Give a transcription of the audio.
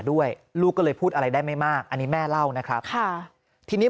ด้วยลูกก็เลยพูดอะไรได้ไม่มากอันนี้แม่เล่านะครับค่ะทีนี้